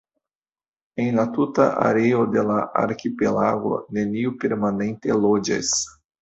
En la tuta areo de la arkipelago neniu permanente loĝas.